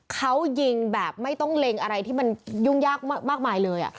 เขายิงแบบไม่ต้องเล็งอะไรที่มันยุ่งยากมากมายเลย